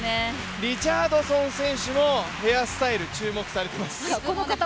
リチャードソン選手もヘアスタイル、注目されています。